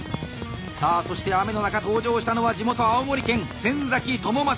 さあそして雨の中登場したのは地元青森県先倫正３０歳。